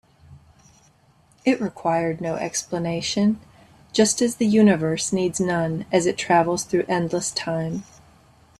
It required no explanation, just as the universe needs none as it travels through endless time.